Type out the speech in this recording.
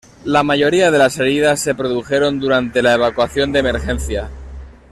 La mayoría de las heridas se produjeron durante la evacuación de emergencia.